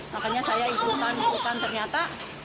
makanya saya ikutan ikutan ternyata